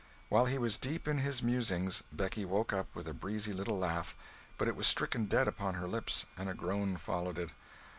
While he was deep in his musings, Becky woke up with a breezy little laugh—but it was stricken dead upon her lips, and a groan followed it.